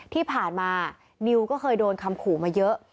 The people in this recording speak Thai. ที่ผ่านมานิวก็เคยโดนคำขู่มาเยอะ